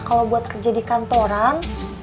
kalau buat kerja di kantoran